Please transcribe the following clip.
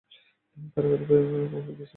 এই কারাগারে বহু বিদেশী বন্দী আছে।